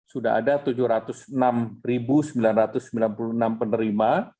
sudah ada tujuh ratus enam sembilan ratus sembilan puluh enam penerima